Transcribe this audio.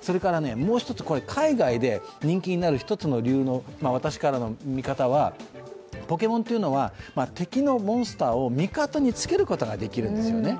それから、もう一つ、海外で人気になる理由の１つの私の見方は、ポケモンというのは敵のモンスターを味方につけることができるんですよね。